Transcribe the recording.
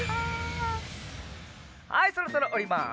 はいそろそろおります。